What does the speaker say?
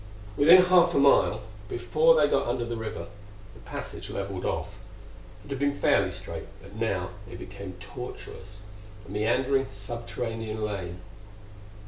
Within half a mile before they got under the river the passage leveled off. It had been fairly straight, but now it became tortuous a meandering subterranean lane.